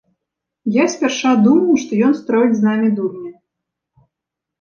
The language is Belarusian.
Я спярша думаў, што ён строіць з намі дурня.